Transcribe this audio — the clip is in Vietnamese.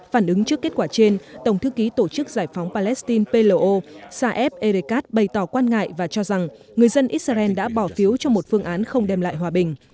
phản ứng trước kết quả trên tổng thư ký tổ chức giải phóng palestine saev erekat bày tỏ quan ngại và cho rằng người dân israel đã bỏ phiếu cho một phương án không đem lại hòa bình